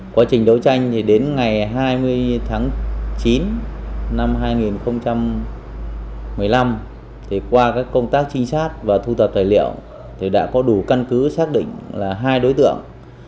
quá trình đấu tranh thì đến ngày hai mươi tháng chín năm hai nghìn một mươi năm qua các công tác trinh sát và thu thập tài liệu đã có đủ căn cứ xác định là hai đối tượng